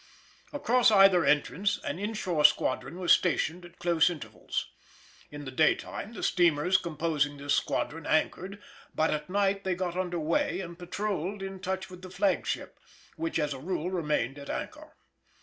Across either entrance an inshore squadron was stationed at close intervals. In the daytime the steamers composing this squadron anchored, but at night they got under weigh and patrolled in touch with the flagship, which, as a rule, remained at anchor.